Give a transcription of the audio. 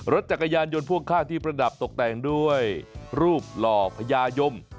รถจักรยานยนต์พ่วงข้างที่ประดับตกแต่งด้วยรูปหล่อพญายม